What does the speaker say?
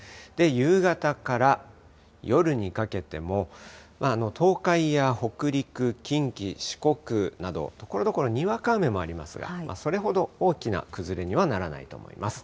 夕方から夜にかけても、東海や北陸、近畿、四国など、ところどころにわか雨もありますが、それほど大きな崩れにはならないと思います。